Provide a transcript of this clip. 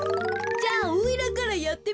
じゃあおいらからやってみるでごわす。